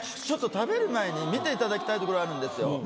ちょっと食べる前に見ていただきたいところあるんですよ。